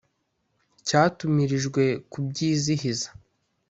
Cyatumirijwe kubyizihiza